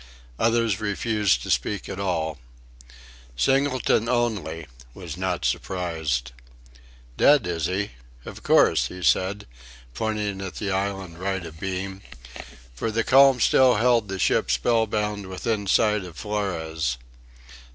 Others refused to speak at all. Singleton only was not surprised. "Dead is he? Of course," he said, pointing at the island right abeam: for the calm still held the ship spell bound within sight of Flores.